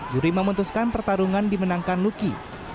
juri memutuskan pertarungan dimenangkan luki